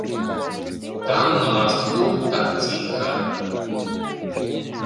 Там на мастку так ціха.